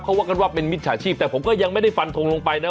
เขาว่ากันว่าเป็นมิจฉาชีพแต่ผมก็ยังไม่ได้ฟันทงลงไปนะ